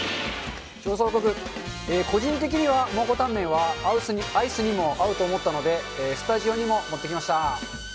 調査報告、個人的には、蒙古タンメンは、アイスにも合うと思ったので、スタジオにも持ってきました。